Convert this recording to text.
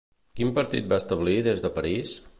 Quin partit va establir des de París?